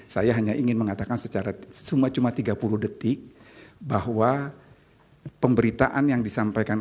saya hanya ingin mengatakan secara cuma cuma tiga puluh detik bahwa pemberitaan yang disampaikan